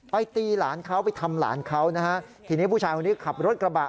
ตีหลานเขาไปทำหลานเขานะฮะทีนี้ผู้ชายคนนี้ขับรถกระบะ